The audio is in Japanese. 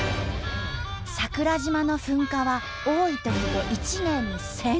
桜島の噴火は多いときで１年に１，０００回。